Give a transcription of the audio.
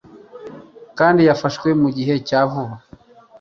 kandi yafashwe mu gihe cya vuba.